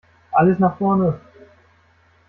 Alles nach vorne!